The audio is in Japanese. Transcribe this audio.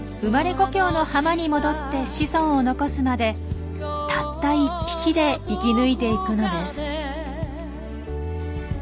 故郷の浜に戻って子孫を残すまでたった１匹で生き抜いていくのです。